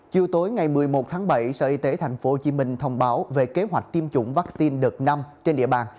chiều tối ngày một mươi một tháng bảy sở y tế thành phố hồ chí minh thông báo về kế hoạch tiêm chủng vaccine đợt năm trên địa bàn